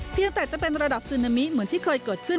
เพียงแต่จะเป็นระดับซึนามิเหมือนที่เคยเกิดขึ้น